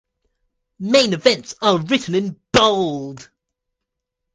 Main events are written in bold.